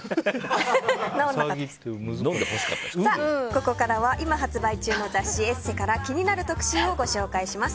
ここからは今、発売中の雑誌「ＥＳＳＥ」から気になる特集をご紹介します。